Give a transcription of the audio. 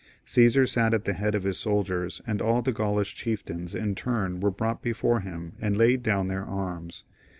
Caesar sat at, the h^d of his soldiers, and aU the Gaijlish chieftains in turns were brought before him, and laid down their arms.